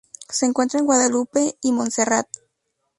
Se encuentra en Guadalupe y Montserrat.